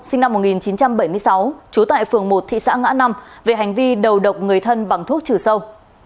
sinh năm một nghìn chín trăm bảy mươi sáu trú tại phường một thị xã ngã năm về hành vi đầu độc người thân bằng thuốc trừ sâu